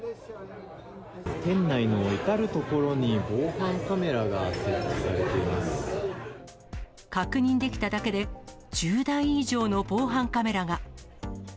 店内の至る所に防犯カメラが確認できただけで、１０台以上の防犯カメラが。